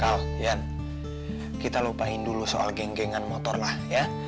kita lupain dulu soal genggengan motor lah ya